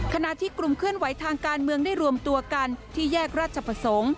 ขณะที่กลุ่มเคลื่อนไหวทางการเมืองได้รวมตัวกันที่แยกราชประสงค์